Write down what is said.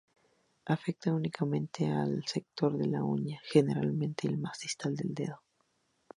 Afecta únicamente a un sector de la uña, generalmente el más distal del dedo.